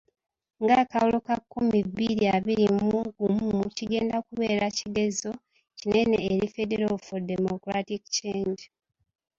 Nga akalulu ka nkumi bbiri abiri mu gumu kigenda kubeera kigezo kinene eri Federal for Democratic Change!